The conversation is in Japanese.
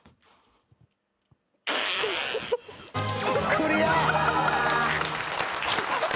クリア。